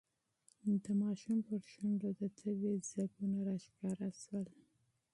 د ماشوم پر شونډو د تبې ځگونه راښکاره شول.